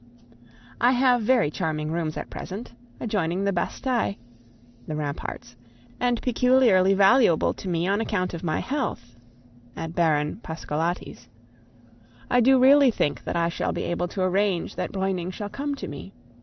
] I have very charming rooms at present, adjoining the Bastei [the ramparts], and peculiarly valuable to me on account of my health [at Baron Pasqualati's]. I do really think I shall be able to arrange that Breuning shall come to me.